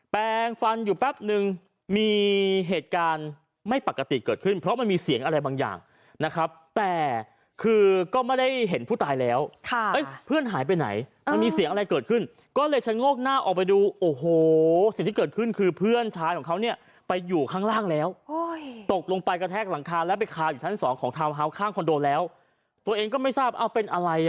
แปลงฟันอยู่แป๊บนึงมีเหตุการณ์ไม่ปกติเกิดขึ้นเพราะมันมีเสียงอะไรบางอย่างนะครับแต่คือก็ไม่ได้เห็นผู้ตายแล้วเพื่อนหายไปไหนมันมีเสียงอะไรเกิดขึ้นก็เลยชะโงกหน้าออกไปดูโอ้โหสิ่งที่เกิดขึ้นคือเพื่อนชายของเขาเนี่ยไปอยู่ข้างล่างแล้วตกลงไปกระแทกหลังคาแล้วไปคาอยู่ชั้นสองของทาวน์ฮาวส์ข้างคอนโดแล้วตัวเองก็ไม่ทราบเอาเป็นอะไรอ่ะ